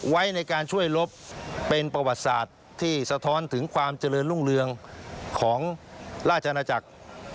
ไว้ในการช่วยลบเป็นประวัติศาสตร์ที่สะท้อนถึงความเจริญรุ่งเรืองของราชอาณาจักร